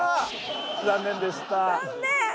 残念でした。